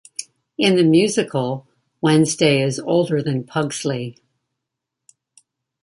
In the musical Wednesday is older than Pugsley.